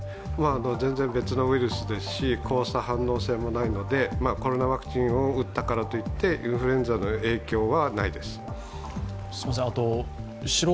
全然、別のウイルスですし反応もないのでコロナワクチンを打ったからといって、インフルエンザの影響はないです。